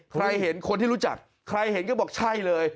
ใครเห็นคนที่รู้จักใครเห็นก็บอกใช่เลย